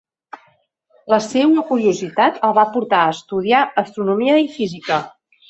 La seua curiositat el va portar a estudiar astronomia i física.